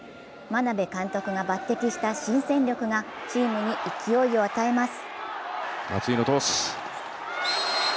眞鍋監督が抜てきした新戦力がチームに勢いを与えます。